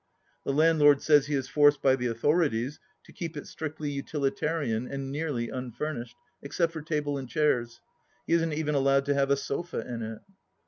The landlord says he is forced by the authorities to keep it strictly utilitarian and nearly unfurnished, except for table and chairs. He isn't even allowed to have a sofa in it.